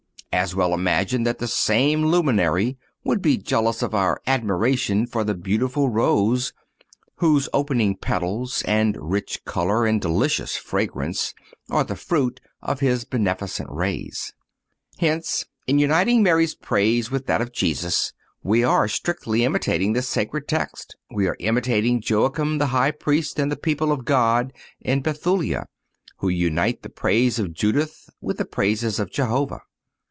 As well imagine that the same luminary would be jealous of our admiration for the beautiful rose, whose opening petals and rich color and delicious fragrance are the fruit of his beneficent rays. Hence in uniting Mary's praise with that of Jesus we are strictly imitating the sacred Text. We are imitating Joachim, the High Priest, and the people of God in Bethulia, who unite the praises of Judith with the praises of Jehovah.